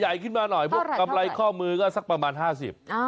ใหญ่ขึ้นมาหน่อยกำไรข้อมือก็สักประมาณ๕๐บาท